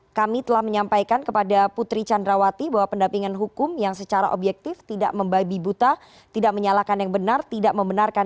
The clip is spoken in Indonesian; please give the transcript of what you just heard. bahwa kami ingin menyampaikan kepada putri candrawati bahwa pendapingan hukum yang secara objektif tidak men pudingkan yang benar atau telah perubah